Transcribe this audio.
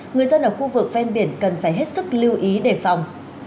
người dân ở khu vực ven biển cần phải hết sức lưu ý đề phòng